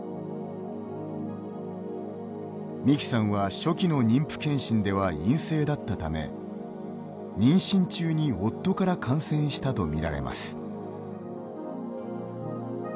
ミキさんは、初期の妊娠健診では陰性だったため妊娠中に夫から感染したとみられます。